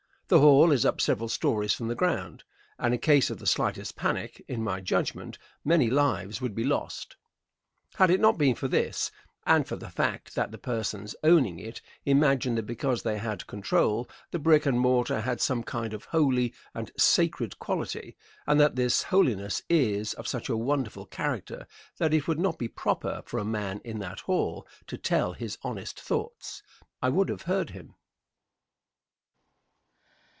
The hall is up several stories from the ground, and in case of the slightest panic, in my judgment, many lives would be lost. Had it not been for this, and for the fact that the persons owning it imagined that because they had control, the brick and mortar had some kind of holy and sacred quality, and that this holiness is of such a wonderful character that it would not be proper for a man in that hall to tell his honest thoughts, I would have heard him.